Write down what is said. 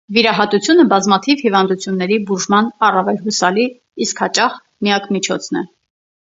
Վիրահատությունը բազմաթիվ հիվանդությունների բուժման առավել հուսալի, իսկ հաճախ՝ միակ միջոցն է։